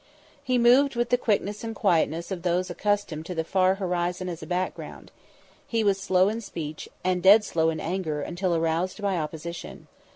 He moved with the quickness and quietness of those accustomed to the far horizon as a background; he was slow in speech; and dead slow in anger until aroused by opposition.